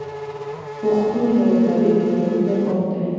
پښتون یو تاریخ جوړونکی قوم دی.